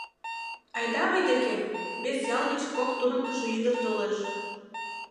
Айда мый декем: вес ял гыч кок туныктышо ӱдыр толеш.